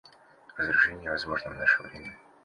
Разоружение возможно в наше время.